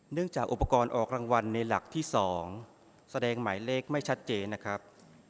จากอุปกรณ์ออกรางวัลในหลักที่๒แสดงหมายเลขไม่ชัดเจนนะครับ